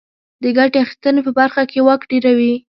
د ګټې اخیستنې په برخه کې واک ډېروي.